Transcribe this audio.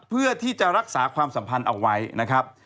เพื่อที่จะรักษาความสัมพันธ์เอาไว้นะครับ